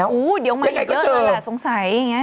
เจออยู่แล้วอย่างไหนก็เจอโซงใส